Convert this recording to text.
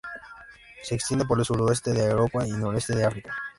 Se extiende por el suroeste de Europa y noroeste de África.